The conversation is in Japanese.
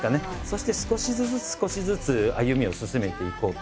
そして少しずつ少しずつ歩みを進めていこう。